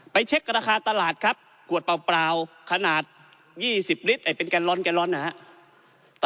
ไปเช็คราคาตลาดครับกวดเปล่าเปล่าขนาดยี่สิบลิตรไอเป็นแกนล้อนแกนล้อนนะฮะ